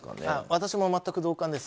私も全く同感です。